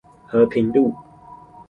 和平路